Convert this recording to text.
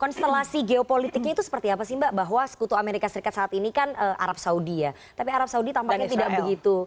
konstelasi geopolitiknya itu seperti apa sih mbak bahwa sekutu amerika serikat saat ini kan arab saudi ya tapi arab saudi tampaknya tidak begitu